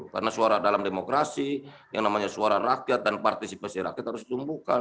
karena suara dalam demokrasi yang namanya suara rakyat dan partisipasi rakyat harus ditumbuhkan